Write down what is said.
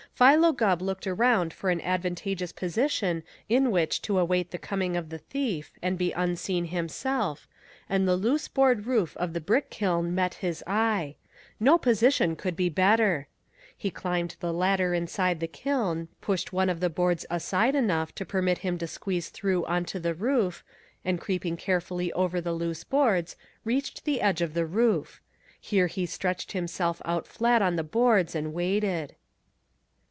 Philo Gubb looked around for an advantageous position in which to await the coming of the thief, and be unseen himself, and the loose board roof of the brick kiln met his eye. No position could be better. He climbed the ladder inside the kiln, pushed one of the boards aside enough to permit him to squeeze through onto the roof, and creeping carefully over the loose boards, reached the edge of the roof. Here he stretched himself out flat on the boards, and waited.